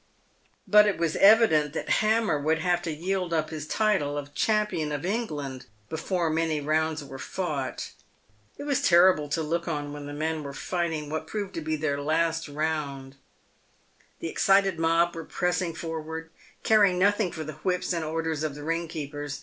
But it was evident that Hammer would have to yield up his title of champion of England before many rounds were fought. It was terrible to look on when the men were fighting what proved to be their last round. The excited mob were pressing forward, caring nothing for the whips and orders of the ring keepers.